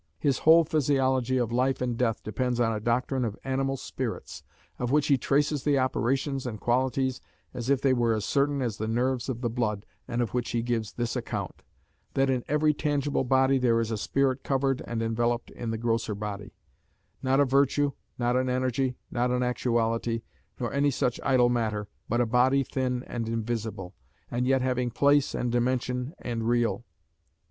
His whole physiology of life and death depends on a doctrine of animal spirits, of which he traces the operations and qualities as if they were as certain as the nerves or the blood, and of which he gives this account "that in every tangible body there is a spirit covered and enveloped in the grosser body;" "not a virtue, not an energy, not an actuality, nor any such idle matter, but a body thin and invisible, and yet having place and dimension, and real."